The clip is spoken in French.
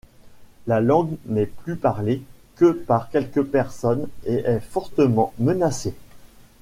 La langue n'est plus parlée que par quelques personnes et est fortement menacée.